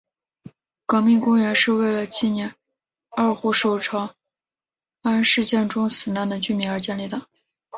革命公园是为了纪念二虎守长安事件中死难的军民而建立的。